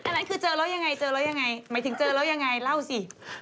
เล่าสิก็เจอยังไง